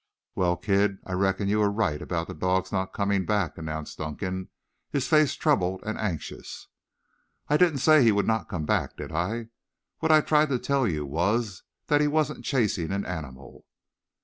"Well, kid, I reckon you were right about the dog's not coming back," announced Dunkan, his face troubled and anxious. "I didn't say he would not come back, did I? What I tried to tell you, was that he wasn't chasing an animal."